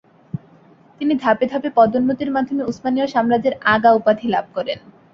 তিনি ধাপে ধাপে পদোন্নতির মাধ্যমে উসমানীয় সাম্রাজ্যের আগা উপাধি লাভ করেন।